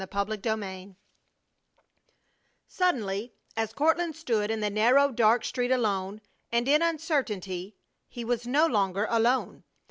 CHAPTER XIV Suddenly, as Courtland stood in the narrow, dark street alone and in uncertainty, he was no longer alone.